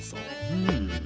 うん。